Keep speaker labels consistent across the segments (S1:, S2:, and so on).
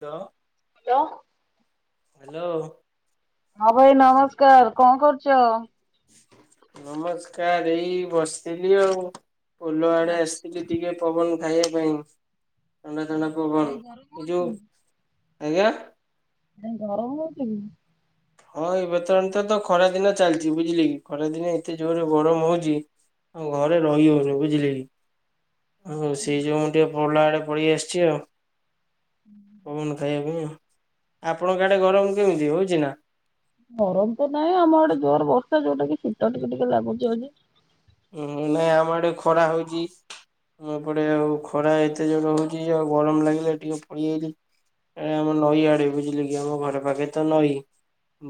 S1: ତ
S2: ତ
S1: ହାଲୋ।
S2: ହଁ ଭାଇ ନମସ୍କାର। କଣ କରୁଚ?
S1: ନମସ୍କାର। ଏଇ ବସିଥିଲି ଆଉ ପୋଲ ଆଡେ
S2: ଆଚ୍ଛା
S1: ଆସିଥିଲି ଟିକେ ପବନ ଖାଇବା ପାଇଁ। ଥଣ୍ଡା ଥଣ୍ଡା ପବନ।
S2: କାଇଁ ଗରମ
S1: ଏ
S2: ହଉଛି
S1: ଯୋଉ ଆଜ୍ଞା।
S2: ନାଇଁ ଗରମ ହଉଚି କି?
S1: ହଁ ଏବେ ତ ଜାଣିଚ ତ ଖରା ଦିନ ଚାଲିଚି, ବୁଝିଲେ କି ଖରା ଦିନ ଏତେ ଜୋରେ ଗରମ ହଉଚି ଆମ ଘରେ ରହିହଉନି ବୁଝିଲେ କି। ହୁଁ। ସେଇ ଯୋଗୁ ମୁଁ ଟିକେ ପୋଲ ଆଡେ ପଳେଇ ଆସିଚି ଆଉ। ପବନ ଖାଇବା ପାଇଁ ଆଉ। ଆପଣଙ୍କ ଆଡେ ଗରମ କେମିତି ହଉଚି ନା?
S2: ଗରମ ତ ନାହିଁ। ଆମ ଆଡେ ଜୋରେ ବର୍ଷା ଯୋଉଟା କି ଶୀତ ଟିକେ ଟିକେ ଲାଗୁଚି ଆଜି।
S1: ଉଁ ହୁଁ। ନାଇଁ ଆମ ଆଡେ ଖରା ହଉଚି ମୁଁ ଏପଟେ ଆଉ ଖରା ଏତେ ଜୋରେ ହଉଚି ଆଉ ଗରମ ଲାଗିଲେ ଟିକେ ପଳେଇଆଇଲି ଏ ଆମ ନଈ ଆଡେ ବୁଝିଲେ କି, ଆମ ଘର ପାଖେରେ ତ ନଈ।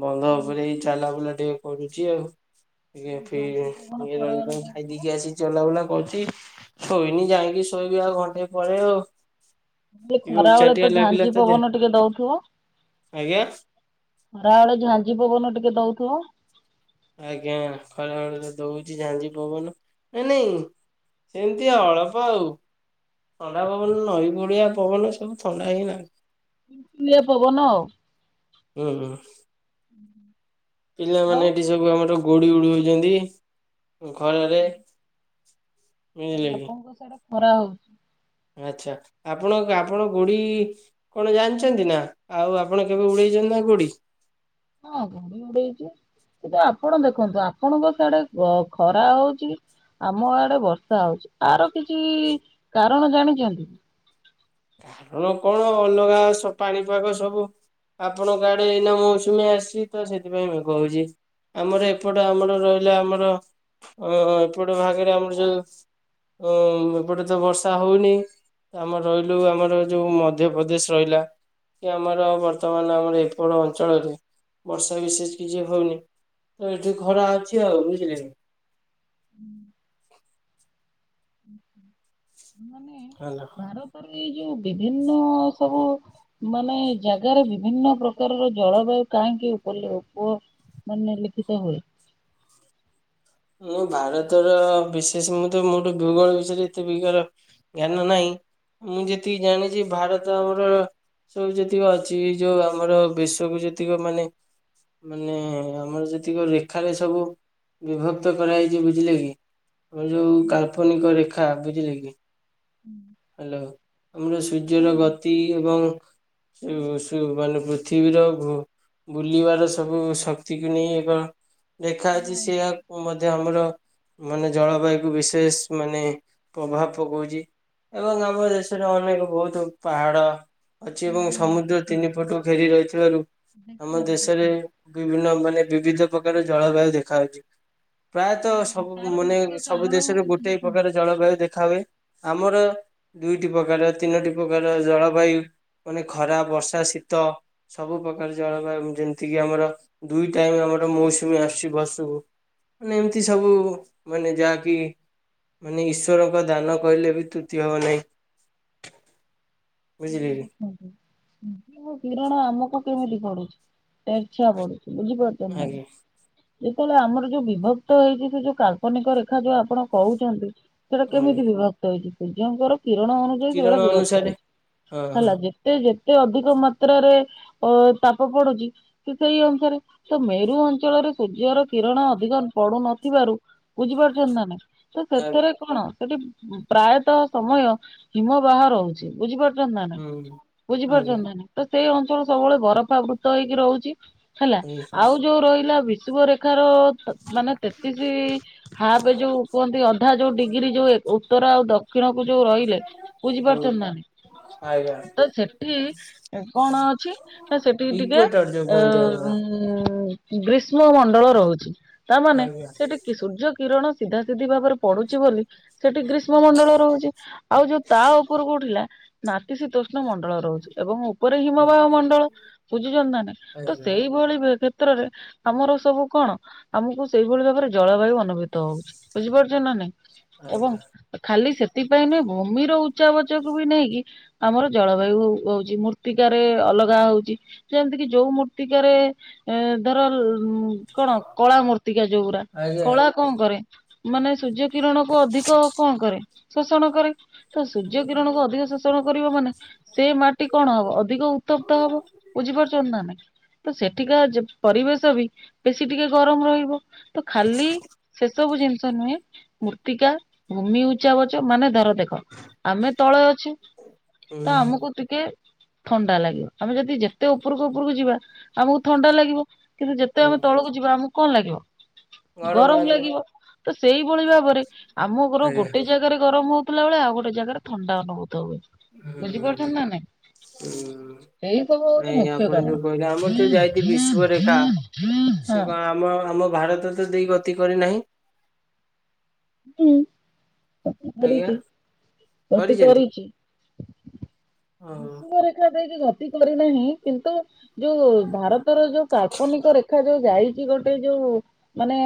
S1: ବନ୍ଧ ଉପରେ ଏଇ ଚାଲା ବୁଲା ଟିକେ କରୁଚି ଆଉ। ଟିକେ
S2: ଝାଞ୍ଜି ପବନ
S1: ଫ୍ରି ଇଏ ରହି
S2: ଖରାବେଳେ ଦଉଥିବ।
S1: ଆସିକି ଚଲାବୁଲା କରୁଚି। ଶୋଇନି ଯାଇକି ଶୋଇବି ଆଉ ଘଣ୍ଟେ ପରେ ଆଉ।
S2: ଯେ
S1: ଟିକେ
S2: ଖରା ବେଳେ
S1: ଉଚାଟିଆ
S2: ତ
S1: ଲାଗିଲା
S2: ଝାଞ୍ଜି
S1: ତ ଦେହ
S2: ପବନ ଟିକେ ଦଉଥିବ?
S1: ଆଜ୍ଞା।
S2: ଖରାବେଳେ ଝାଞ୍ଜି ପବନ ଟିକେ ଦଉଥିବ।
S1: ଆଜ୍ଞା। ଖରାବେଳେ ଦଉଛି ଝାଞ୍ଜି ପବନ। ନାଇଁ ନାଇଁ ସେମତି ଅଳପ ଆଉ। ଥଣ୍ଡା ପବନ ନଈ କୂଳିଆ ପବନ ସବୁ ଥଣ୍ଡା ହିଁ ନାଗେ।
S2: ସୁଲୁସୁଲିଆ ପବନ ଆଉ।
S1: ହୁଁ
S2: ଆଉ
S1: ପିଲାମାନେ ଏଠି ସବୁ ଆମର ଗୋଡ଼ି ଉଡ଼ଉଛନ୍ତି ଖରାରେ। ବୁଝିଲେ
S2: ତାହେଲେ
S1: କି।
S2: ଆପଣଙ୍କ ସିଆଡେ ଖରା ହଉଚି।
S1: ଆଚ୍ଛା। ଆପଣଙ୍କ ଆପଣ ଗୁଡ଼ି କଣ ଜାଣିଚନ୍ତି ନା? ଆଉ ଆପଣ କେବେ ଉଡ଼େଇଚନ୍ତି ନା ଗୁଡ଼ି?
S2: ହଁ ଗୁଡ଼ି ଉଡ଼େଇଚୁ। କିନ୍ତୁ ଆପଣ ଦେଖନ୍ତୁ ଆପଣଙ୍କ ସାଡେ ଖରା ହଉଚି। ଆମ ଆଡ଼େ ବର୍ଷା ହଉଚି ଆର କିଛି କାରଣ ଜାଣିଚନ୍ତି?
S1: ତମର କଣ ଅଲଗା ସ ପାଣିପାଗ ସବୁ ଆପଣଙ୍କ ଆଡ଼େ ଏଇନା ମୌସୁମୀ ଆସିଚି ତ ସେଥିପାଇଁ ମେଘ ହଉଚି। ଆମର ଏପଟ ଆମର ରହିଲା ଆମର ଏପଟ ଭାଗରେ ଆମର ଯୋଉ ତ ଏପଟେତ ବର୍ଷା ହଉନି ଆମର ଏ ଯୋଉ ଆମର ଯୋଉ ମଧ୍ୟପ୍ରଦେଶ ରହିଲା। କି ଆମର ବର୍ତ୍ତମାନ ଆମର ଏପଟେ ଅଞ୍ଚଳରେ ବର୍ଷା ବିଶେଷ କିଛି ହଉନି। ତ ଏଠି ଖରା ଅଛି ଆଉ ବୁଝିଲେକି।
S2: [unintelligible]
S1: ହାଲୋ।
S2: ଭାରତରେ ଏଇ ଯୋଉ ବିଭିନ୍ନ ସବୁ ମାନେ ଜାଗାରେ ବିଭିନ୍ନ ପ୍ରକାରର ଜଳବାୟୁ କାହିଁକି ଉପଲିଅ ଉପ ମାନେ ଲିଖିତ ହୁଏ?
S1: ମୁଁ ଭାରତର ବିଶେଷ ମୁଁ ତ ମୁଠୁ ଭୂଗୋଳ ବିଷୟରେ ଏତେ ବିକାର ଜ୍ଞାନ ନାହିଁ। ମୁଁ ଯେତିକି ଜାଣିଚି ଭାରତ ଆମର ଏସବୁ ଯେତିକି ଅଛି ଏ ଯୋଉ ଆମର ବେଶକୁୁ ଯେତିକ ମାନେ ମାନେ ଆମର ଯେତିକ ଲେଖାରେ ସବୁ ବିଭ କ୍ତ କରାଯାଇଛି ବୁଝିଲେ କି। ଆମ ଯୋଉ କାଳ୍ପନିକ ରେଖା ବୁଝିଲେକି। ହାଲୋ, ଆମେ ସୂର୍ଯ୍ୟର ଗତି ଏବଂ ସୁ ମାନେ ପୃଥିବୀର ବୁ ବୁଲିବାର ସବୁ ଶକ୍ତିକୁ ନେଇ ଏକ ରେଖା ଅଛି। ସେଇଆ କୁ ମ ଯେ ଆମର ମାନେ ଜଳବାୟୁକୁ ବିଶେଷ ମାନେ ପ୍ରଭାବ ପକଉଚି। ଏବଂ ଆମ ଦେଶରେ ଅନେକ ବହୁତ୍ ପାହାଡ଼ ଅଛି ଏବଂ ସମୁଦ୍ର ତିନି ପଟୁ ଘେରି ରହିଥିବାରୁ ଆମ ଦେଶରେ ବିଭିନ୍ନ ମାନେ ବିଭିିଧ ପ୍ରକାର ଜଳବାୟୁ ଦେଖାହଉଚି। ପ୍ରାୟତଃ ସବୁ ମାନେ ସବୁ ଦେଶରେ ଗୋଟେ ପ୍ରକାର ଜଳବାୟୁ ଦେଖା ହୁଏ। ଆମର ଦୁଇଟି ପ୍ରକାର ତିନଟି ପ୍ରକାର ର ଜଳବାୟୁ ମାନେ ଖରା ବର୍ଷା ଶୀତ ସବୁ ପ୍ରକାର ଜଳବାୟୁ ଯେମିତିକି ଆମର ଦୁଇ ଟାଇମ୍ ଆମର ମୌସୁମୀ ଆସୁଚି ବର୍ଷକୁ। ମାନେ ଏମିତି ସବୁ ମାନେ ଯାହାକି ମାନେ ଇଶ୍ୱରଙ୍କ ଦାନ କହିଲେ ବି ତ୍ରୁତି ହବ ନାହିଁ ବୁଝିଲେ କି।
S2: କିରଣ ଆମକୁ କେମିତି ପଡୁଚି ତେରଛିଆ ପଡୁଚି ବୁଝିପାରୁଛ। କେନ?
S1: ଆଜ୍ଞା
S2: ଯେତେବେଳେ ଆମର ଯୋଉ ବିଭକ୍ତ ହେଇଚି ସେ ଯୋଉ କାଳ୍ପନିକ ରେଖା ଯୋଉ ଆପଣ କହୁଚନ୍ତି। ସେଇଟା
S1: ଆଜ୍ଞା
S2: କେମିତି ବିଭକ୍ତ ହେଇଚି ସୂର୍ଯ୍ୟଙ୍କର କିରଣ ଅନୁଯାୟୀ
S1: କିରଣ
S2: ସେଗୁଡ଼ା ବିଭକ୍ତ
S1: ଅନୁସାରେ
S2: ହେଇଚି।
S1: ହଁ ହଁ
S2: ହେଲା ଯେତେ ଯେତେ ଅଧିକ ମାତ୍ରାରେ ଅ ତାପ ପଡ଼ୁଚି ତ ସେଇ ଅନୁସାରେ, ତ ମେରୁ ଅଞ୍ଚଳରେ ସୂର୍ଯ୍ୟର କିରଣ ଅଧିକ ପଡୁନଥିବାରୁ ବୁଝିପାରୁଛନ୍ତି ନା ନାହିଁ ତ
S1: ଆଜ୍ଞା
S2: ସେଥେରେ କଣ ସେଠି ପ୍ରାୟତଃ ସମୟ ହିମ ବାହ ରହୁଛି ବୁଝିପାରୁ ବୁଝୁଚନ୍ତି ନା ନାଇଁ,
S1: ହୁଁ। ଆଜ୍ଞା
S2: ବୁଝିପାରୁଛନ୍ତି ନା ନାଇଁ, ତ ସେଇ ଅଞ୍ଚଳ ସବୁବେଳେ ବରଫା ବୃତ ହେଇକି ରହୁଛି। ହେଲା ଆଉ ଯୋଉ ରହିଲା ବିଶୁବରେଖା ର ମାନେ ତେତିଶି ହାପ ଯୋଉ କୁହନ୍ତି ଅଧା ଯୋଉ ଡିଗ୍ରୀ ଯୋଉ ଏ ଉତ୍ତର ଆଉ ଦକ୍ଷିଣ କୁ ଯୋଉ ରହିଲେ
S1: ହୁଁ
S2: ବୁଝିପାରୁଚନ୍ତି ନା ନାଇଁ?
S1: ଆଜ୍ଞା।
S2: ତ ସେଠି କଣ ଅଛି ନା ସେଠିକି ଟିକେ
S1: ଇକ୍ୱେଟର ଯୋଉ
S2: ଏ
S1: କୁହନ୍ତି ଆମର
S2: ଉଁ ଗ୍ରୀଷ୍ମ ମଣ୍ଡଳ ରହୁଛି ତାମାନେ
S1: ଆଜ୍ଞା।
S2: ସେଠି କି ସୂର୍ଯ୍ୟ କିରଣ ସିଧା ସିଧି ଭାବରେ ପଡ଼ୁଚି ବୋଲି ସେଠି ଗ୍ରୀଷ୍ମମଣ୍ଡଳ ରହୁଚି। ଆଉ ଯୋଉ ତା ଉପରୁକୁ ଉଠିଲା ନାତିଶୀତୋଷ୍ଣ ମଣ୍ଡଳ ରହୁଛି ଏବଂ ଉପରେ
S1: ହୁଁ
S2: ହିମବାହ ମଣ୍ଡଳ ବୁଝୁଛନ୍ତି ନା ନାଇଁ ତ
S1: ଆଜ୍ଞା
S2: ସେଇଭଳି କ୍ଷେତ୍ରରେ ଆମର ସବୁ କଣ ଆମକୁ ସେଇଭଳି ଭାବରେ ଜଳବାୟୁ ଅନୁ ଭୂତ ହୋଉଛି ବୁଝିପାରୁଛ ନା ନାଇଁ ଏବଂ
S1: ଆଜ୍ଞା
S2: ଖାଲି ସେଥିପାଇଁ ନୁହେଁ ଭୂମିର ଉଚ୍ଚା ବାଚକୁ ବି ନେଇକି ଆମର ଜଳବାୟୁ ହୋଉଚି ମୂର୍ତ୍ତିକାରେ ଅଲଗା ହୋଉଚି। ଯେମିତି କିି ଯୋଉ ମୂର୍ତ୍ତିକାରେ ଧର କଣ କଳା ମୂର୍ତ୍ତିକା ଯୋଉ ଗୁରା।
S1: ଆଜ୍ଞା
S2: କଳା କଣ କରେ ମାନେ ସୂର୍ଯ୍ୟ କିରଣ କୁ ଅଧିକ କଣ କରେ? ଶୋଷଣ କରେ ତ ସୂର୍ଯ୍ୟ କିରଣକୁ ଅଧିକ ଶୋଷଣ କରିବ ମାନେ ସେଇ ମାଟି କଣ ହବ ଅଧିକ ଉତ୍ତପ୍ତ ହବ ବୁଝିପାରୁଛନ୍ତି ନା ନାଇଁ। ତ ସେଠିକା ଯେ ପରିବେଶ ବି ବେଶୀ ଟିକେ ଗରମ ରହିବ। ତ ଖାଲି ସେସବୁ ଜିନିଷ ନୁହେଁ। ମୃର୍ତ୍ତିକା ଭୂମି ଉଚ୍ଚାବାଚ ମାନେ ଧର ଦେଖ। ଆମେ ତଳେ ଅଛି ତ
S1: ହୁଁ
S2: ଆମକୁ ଦି କେ ଥଣ୍ଡା ଲାଗିବ ଆମେ ଯଦି ଯେତେ ଉପରକୁ ଉପରକୁ ଯିବା ଆମକୁ ଥଣ୍ଡା ଲାଗିବ। କିନ୍ତୁ ଯେତେ
S1: ହୁଁ
S2: ଆମେ ତଳକୁ ଯିବା ଆମକୁ କଣ ଲାଗିବ ଗରମ ଲାଗିବ। ତ ସେଇଭଳି ଭାବରେ ଆମ ଘର
S1: ଆଜ୍ଞା
S2: ଗୋଟେ ଜାଗାରେ ଗରମ୍ ହଉଥିଲା ବେଳେ ଆଉ ଗୋଟେ ଜାଗାରେ ଥଣ୍ଡା ଅନୁଭୂତ ହୁଏ
S1: ହୁଁ
S2: ବୁଝିପାରୁଛନ୍ତି ନା ନାଇଁ।
S1: ହୁଁ
S2: ଏଇ ସବୁ ହୋଉଚି
S1: ନାଇଁ
S2: ମୁଖ୍ୟ
S1: ଆପଣ
S2: କାରଣ।
S1: ଯୋଉ କହିଲେ ଆମର ଯୋଉ ଯାଇଛି ବିଶ୍ଵରେଖା ସେ କଣ ଆମ ଆମ ଭାରତ ତ ଦେଇ ଗତି କରିନାହିଁ।
S2: ହଁ ତେ
S1: ଆଜ୍ଞା
S2: କରିଚି ତତେ
S1: କରିଛନ୍ତି
S2: କରିଚି। ବିଷୁବରେଖା ଦେଇକି ଗତି କରିନାହିଁ କିନ୍ତୁ ଯୋଉ ଭାରତର ଯୋଉ କାଳ୍ପନିକ ରେଖା ଯୋଉ ଯାଇଛି ଗୋଟେ ଯୋଉ ମାନେ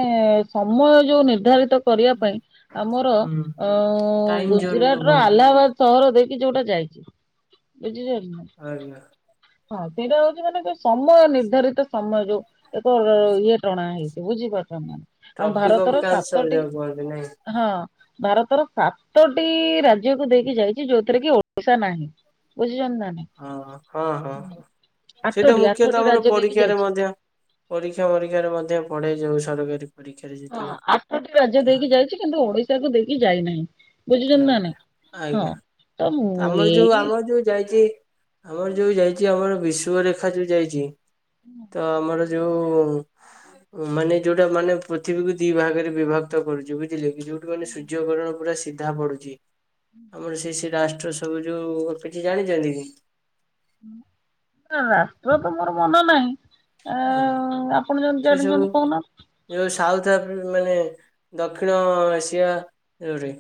S2: ସମୟ ଯୋଉ ନିର୍ଦ୍ଧାରିତ କରି ପାଇଁ ଆମର
S1: ହୁଁ ଟାଇମ ଜୋନ ଯୋଉ
S2: ଗୁଜୁରାଟ ର
S1: କୁହନ୍ତି
S2: ଆହ୍ଲାବାଦ। ସହର ଦେଇକି ଯୋଉଟା ଯାଇଚି ବୁଝିଚନ୍ତି ନା।
S1: ଆଜ୍ଞା।
S2: ହଁ ସେଇଟା ହୋଉଚି ମାନେ ଯୋଉ ସମୟ ନିର୍ଦ୍ଧାରିତ ସମୟ ଯୋଉ। ଏକ ଇଏ ଟଣା ହେଇଛି ବୁଝିପାରୁଛନ୍ତି ନା ଆମ ଭାରତର ସାତଟି
S1: ଚେନ୍ନାଇ।
S2: ହଁ ଭାରତର ସାତଟି ରାଜ୍ୟକୁ ଦେଇକି ଯାଇଚି ଯୋଉଥିରେ କି ଓଡିଶା ନାହିଁ। ବୁଝିଚନ୍ତି ନା ନାହିଁ।
S1: ହଁ ହଁ ହଁ ହଁ ସେଇଟା
S2: ଆଠଟି
S1: ମୁଖ୍ୟତଃ
S2: ଆଠଟି
S1: ଆମର
S2: ରାଜ୍ୟ ଦେଇକି
S1: ପରୀକ୍ଷାରେ
S2: ଯାଇଛି।
S1: ମଧ୍ୟ ପରୀକ୍ଷା ଫରୀକ୍ଷାରେ ମଧ୍ୟ ପଡେ ଯୋଉ ସରକାରୀ। ପରୀକ୍ଷାରେ
S2: ହଁ
S1: ଯେତିକ
S2: ଆଠଟି ରାଜ୍ୟ ଦେଇକି ଯାଇଛି କିନ୍ତୁ ଓଡିଶାକୁ ଦେଇକି ଯାଇନାହିଁ। ବୁଝୁଛନ୍ତି ନା ନାଇଁ ହଁ।
S1: ଆଜ୍ଞା
S2: ତ ମୁଁ
S1: ଆମର ଯୋଉ
S2: ଏଇ
S1: ଆମର ଯୋଉ ଯାଇଚି। ଆମର ଯୋଉ ଯାଇଚି ଆମର ବିଷୁଵରେଖା ଯୋଉ ଯାଇଚି ତ ଆମର ଯୋଉ ମାନେ ଯୋଉଟା ମାନେ ପୃଥିବୀକୁ ଦି ଭାଗରେ ବିଭକ୍ତ କରୁଚି ବୁଝିଲେ କି ଯୋଉଠୁ ମାନେ ସୂର୍ଯ୍ୟକିରଣ ପୁରା ସି ଧା ପଡ଼ୁଚି ଆମର ସେଇ ସେଇ ରାଷ୍ଟ୍ର ସବୁ ଯୋଉ କିଛି ଜାଣିଚନ୍ତି କି?
S2: ନା ରାଷ୍ଟ୍ର ତ ମୋର ମନ ନାହିଁ। ଆ
S1: ହଁ
S2: ଆପଣ ଯଦି
S1: ସେ ସବୁ
S2: ଜାଣିଚନ୍ତି କହୁନ।
S1: ଯୋଉ ସାଉଥ ଆଫି ମାନେ ଦକ୍ଷିଣ ଏସିଆ ଇଉରି।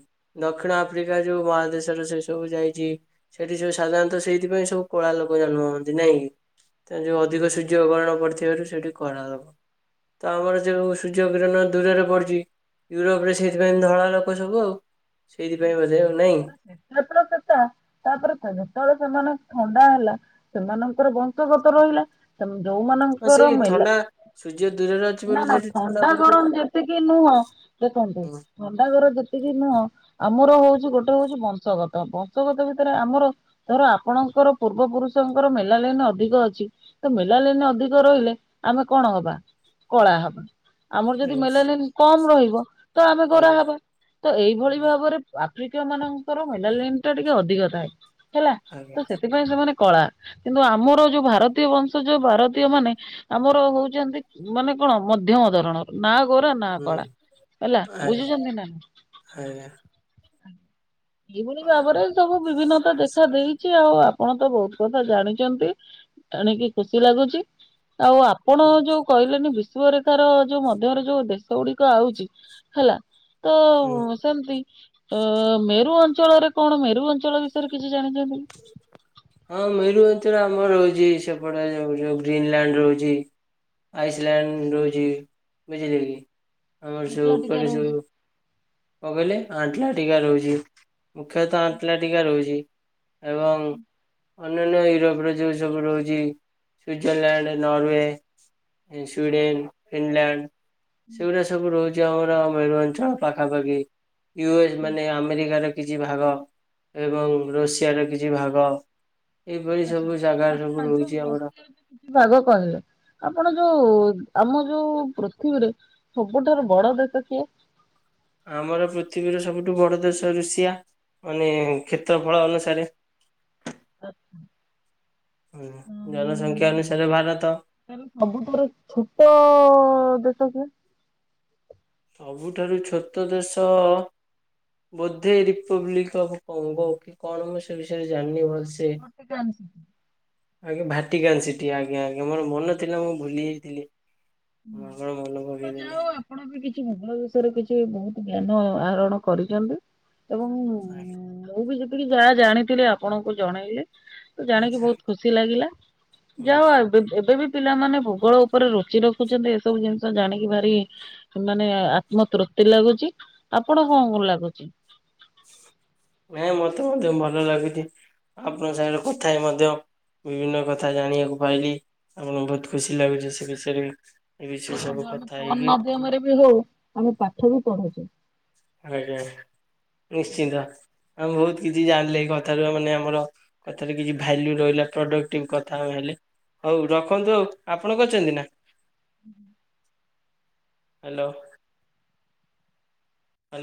S1: ଦକ୍ଷିଣ ଆଫ୍ରିକା ଯୋଉ ମହାଦେଶରେ ସେ ସବୁ ଯାଇଛି। ସେଠି ସବୁ ସାଧାରଣତଃ ସେଇଥିପାଇଁ ସବୁ କଳା ଲୋକ ଜନ୍ମ ହୁଅନ୍ତି ନାଇଁ କି। ତେଣୁ ଯୋଉ ଅଧିକ ସୂର୍ଯ୍ୟ କିରଣ ପଡ଼ିଥିବାରୁ ସେଇଠି କଳା ଲୋକ। ତ ଆମର ଯୋଉ ସୂର୍ଯ୍ୟ କିରଣ ଦୂରରେ ପଡିଛି। ୟୁରୋପରେ ସେଇଥିପାଇଁ ଧଳା ଲୋକ ସବୁ ଆଉ ସେଇଥିପାଇଁ ବୋଧେ ଆଉ ନାଇଁ।
S2: ଜାତିର ପିତା ତା ତାପରେ ଯେତେବେଳେ ସେମାନେ ଥଣ୍ଡା ହେଲା ସେମାନଙ୍କର ବଂଶଗତ ରହିଲା। ସେମ
S1: ହଁ
S2: ଯୋଉମାନଙ୍କର
S1: ସେଇ
S2: ମେଲା
S1: ଥଣ୍ଡା ସୂର୍ଯ୍ୟ ଦୂରରେ ଅଛି ବୋଲି
S2: ନା ନା
S1: ସେଠି
S2: ଥଣ୍ଡା
S1: ପଡୁଛି ନା
S2: ଗରମ ଯେତିକି ନୁହଁ ଦେଖନ୍ତୁ
S1: ହୁଁ
S2: ଥଣ୍ଡା ଘର ଯେତିକି ନୁହଁ ଆମର ହଉଛି ଗୋଟେ ଗୋଟେ ହଉଚି ବଂଶଗତ ବଂଶଗତ ଭିତରେ ଆମର ଧର ଆପଣଙ୍କର ପୂର୍ବ ପୁରୁଷଙ୍କର ମେଲା ଲାଇନ ଅଧିକ ଅଛି। ତ ମେଲା ଲାଇନି ଅଧିକ ରହିଲେ ଆମେ କଣ ହବା କଳା ହବା। ଆମର ଯଦି
S1: ହୁଁ
S2: ମେଲା ଲାଇନ କମ୍ ରହିବ ତ ଆମେ ଗୋରା
S1: ଆଜ୍ଞା
S2: ହବା ତ ଏଇଭଳି
S1: ଆଜ୍ଞା
S2: ଭାବରେ ଆଫ୍ରିକୀୟ ମାନଙ୍କର ମେଲାଲାଇନ୍ ଟା ଟିକେ ଅଧିକ ଥାଏ ହେଲା
S1: ଆଜ୍ଞା
S2: ତ ସେଥି ପାଇଁ ସେମାନେ କଳା କିନ୍ତୁ ଆମର ଯୋଉ ଭାରତୀୟ ବଂଶ ଯୋଉ ଭାରତୀୟ ମାନେ। ଆମର ହଉଛନ୍ତି ମାନେ କଣ ମଧ୍ୟମ ଧରଣର। ନା ଗୋରା ନା
S1: ହୁଁ
S2: କଳା ହେଲା
S1: ଆଜ୍ଞା
S2: ବୁଝିଛନ୍ତି ନା।
S1: ଆଜ୍ଞା।
S2: ଏଇଭଳି ଭାବରେ। ସବୁ ବିଭିନ୍ନତା ଦେଖା ଦେଇଛି ଆଉ ଆପଣ ତ ବହୁତ କଥା ଜାଣିଚନ୍ତି। ଯାଣିକି ଖୁସି ଲାଗୁଛି ଆଉ ଆପ ଆପଣ
S1: ହୁଁ
S2: ଯୋଉ କହିଲେନି ବିଶୁବରେଖାର ଯୋଉ ମଧ୍ୟରେ ଯୋଉ ଦେଶ ଗୁଡିକ ଆଉଛି ହେଲା। ତ
S1: ହୁଁ
S2: ସେମିତି। ଏ ମେରୁ ଅଞ୍ଚଳରେ କଣ ମେରୁ ଅଞ୍ଚଳ ବିଷୟରେ କିଛି ଜାଣିଚନ୍ତି।
S1: ହଁ ମେରୁ ଅଞ୍ଚଳ ଆମର ହହୁଛି ସେପଟେ ଯୋଉ ସବୁ ଗ୍ରୀନଲ୍ୟାଣ୍ଡ ରହୁଛି। ଆଇସଲ୍ୟାଣ୍ଡ ରହୁଛି ବୁଝିଲେ କି ଆମର ସବୁ ଉପରେ ସବୁ କଣ କହିଲେ ଆଣ୍ଟଲାଟିକା ରହୁଛି ମୁଖ୍ୟତଃ ଆଣ୍ଟଲାଟିକା ରହୁଛି। ଏବଂ। ଅନନ୍ୟ ୟୁରୋପର ଯେଉଁ ସବୁ ରହୁଛି ସୁଇଜରଲ୍ୟାଣ୍ଡ ନରୱେ ଇନ୍ ସ୍ଵିଡେନ ଇଙ୍ଗଲ୍ୟାଣ୍ଡ। ସେଗୁଡା ସବୁ ରହୁଛି ଆମର ମେରୁ ଅଞ୍ଚଳ ପାଖାପାଖି ୟୁଏସ୍ ମାନେ ଆମେରିକାର କିଛି ଭାଗ ଏବଂ ଋଷିଆର କିଛି ଭାଗ। ଏଇଭଳି ସବୁ ଜାଗା ସବୁ ରହୁଛି ଆମର।
S2: ପାଗ କରିନି। ଆପଣ ଯୋଉ ଆମ ଯୋଉ ପୃଥିବୀରେ ସବୁଠାରୁ ବଡ ଦେଶ କିଏ?
S1: ଆମର ପୃଥିବୀର ସବୁଠୁ ବଡ ଦେଶ ଋଷିଆ ମାନେ କ୍ଷେତ୍ରଫଳ ଅନୁସାରେ।
S2: ଆଛା।
S1: ହୁଁ ଜନସଂଖ୍ୟା ଅନୁସାରେ ଭାରତ।
S2: ସବୁଠାରୁ ଛୋଟ ଦେଶ କିଏ?
S1: ସବୁଠାରୁ ଛୋଟ ଦେଶ। ବୋଧେ ରିପବ୍ଲିକ୍ ଅଫ ପଙ୍ଗୋ କି କଣ ମୁଁ ସେ ବିଷୟରେ ଜାଣିନି ଭଲସେ। ସେ। ଆଜ୍ଞା ଭାଟିକାନ୍ ସିଟିି ଆଜ୍ଞା ଆଜ୍ଞା ମୋର ମନ ଥିଲା ମୁଁ ଭୁଲିଯାଇଥିଲି।
S2: ହୁଁ [inaudible] ଆପଣବି କିଛି ଭଗ୍ନ ବିଷୟରେ କିଛି ବହୁତ ଜ୍ଞାନ ଆହରଣ କରିଛନ୍ତି ଏବଂ
S1: [unintelligible]
S2: ମୁଁ ବି ଯେତିକି ଯାହା ଜାଣିଥିଲି ଆପଣଙ୍କୁ ଜଣେଇଲି। ତ ଜାଣିକି
S1: ଆଜ୍ଞା, ଆଚ୍ଛା
S2: ବହୁତ ଖୁସି ଲାଗିଲା
S1: ହୁଁ
S2: ଯାହଉ ଏବେ ଏବେବି ପିଲାମାନେ ଭୂଗୋଳ ଉପରେ ରୁଚି ର ଖୁଛନ୍ତି ଏସବୁ ଜିନିଷ ଜାଣିକି ଭାରି ମାନେ ଆତ୍ମ ତୃପ୍ତି ଲାଗୁଛି, ଆପଣ କଣ କଣ ଲାଗୁଛି?
S1: ନାଇଁ ମତେ ମଧ୍ୟ ଭଲ ଲାଗୁଛି, ଆପଣଙ୍କ ସାଙ୍ଗରେ କଥା ହେଇ ମଧ୍ୟ ବିଭିନ୍ନ କଥା ଜାଣିବାକୁ ପାଇଲି, ଆପଣଙ୍କୁ ବହୁତ ଖୁସି ଲାଗୁଛି ସେ ବିଷୟରେ ବି।
S2: ଦେଖନ୍ତୁ ଆମେ ଫୋନ୍ ମାଧ୍ୟମରେ ବି ହଉ ଆମେ ପାଠବି ପଢ଼ଉଛୁ।
S1: ଆଜ୍ଞା ନିଶ୍ଚିନ୍ତ ଆମେ ବହୁତ କିଛି ଜାଣିଲେ ଏ କଥାରୁ ମାନେ ଆମର କଥାରେ କିଛି ଭ୍ୟାଲ୍ୟୁ ରହିଲା ପ୍ରଡକ୍ଟିଭ୍ କଥା ଆଉ ହେଲେ, ହଉ ରଖନ୍ତୁ ଆଉ। ଆପଣ କରିଚନ୍ତି ନା? ହ୍ୟାଲୋ। ହ୍ୟାଲୋ।